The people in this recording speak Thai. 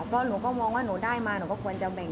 เพราะหนูก็มองว่าหนูได้มาหนูก็ควรจะแบ่ง